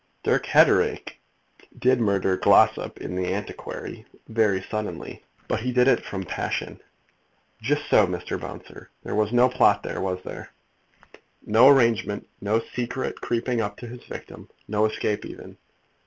"Dirk Hatteraick did murder Glossop in The Antiquary very suddenly; but he did it from passion." "Just so, Mr. Bouncer. There was no plot there, was there? No arrangement; no secret creeping up to his victim; no escape even?"